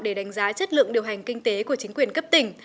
để đánh giá chất lượng điều hành kinh tế của chính quyền cấp tỉnh